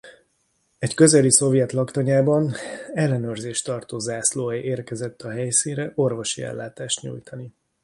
Egy közeli szovjet laktanyában ellenőrzést tartó zászlóalj érkezett a helyszínre orvosi ellátást nyújtani.